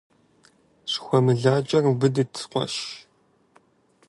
ШхуэмылакӀэр убыдыт, къуэш.